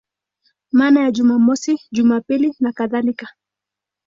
Maana ya Jumamosi, Jumapili nakadhalika.